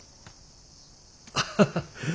ハハハハ。